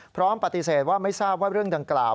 พร้อมปฏิเสธว่าไม่ทราบว่าเรื่องดังกล่าว